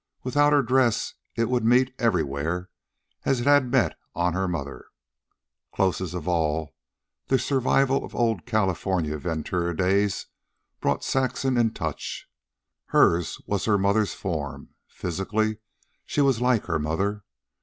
Without her dress it would meet everywhere as it had met on her mother. Closest of all, this survival of old California Ventura days brought Saxon in touch. Hers was her mother's form. Physically, she was like her mother.